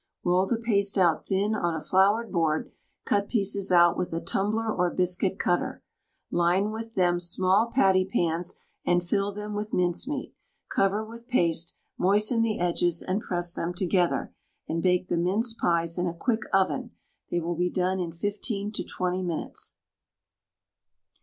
Roll the paste out thin on a floured board, cut pieces out with a tumbler or biscuit cutter. Line with them small patty pans, and fill them with mincemeat; cover with paste, moisten the edges and press them together, and bake the mince pies in a quick oven; they will be done in 15 to 20 minutes.